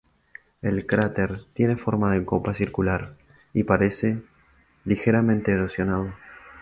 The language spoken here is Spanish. El cráter tiene forma de copa circular, y aparece ligeramente erosionado.